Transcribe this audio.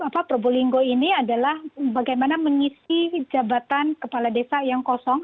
probolinggo ini adalah bagaimana mengisi jabatan kepala desa yang kosong